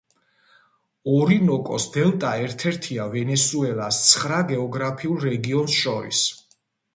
ორინოკოს დელტა ერთ-ერთია ვენესუელის ცხრა გეოგრაფიულ რეგიონს შორის.